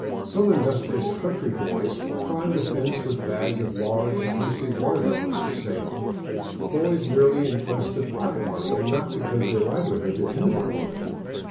Some industrious country boys climbed a fence with bags of large, juicy watermelons for sale ; boys merely in quest of pocket money and not because their livelihood depended upon it.